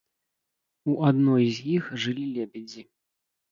У адной з іх жылі лебедзі.